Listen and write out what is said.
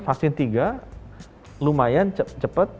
vaksin tiga lumayan cepet